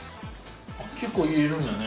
結構入れるんやね。